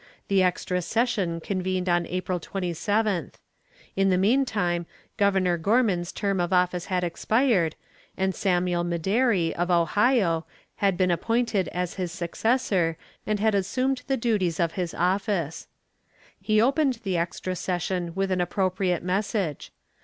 The extra session convened on April 27th. In the meantime Governor Gorman's term of office had expired, and Samuel Medary of Ohio had been appointed as his successor, and had assumed the duties of his office. He opened the extra session with an appropriate message.